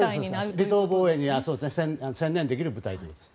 離島防衛に専念できる部隊ということですね。